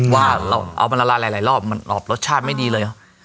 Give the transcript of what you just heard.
ว่าเราเอามาละลายหลายรอบมันรอบรสชาติไม่ดีเลย